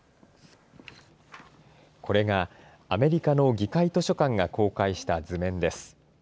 これがアメリカの議会図書館が公開した図面です。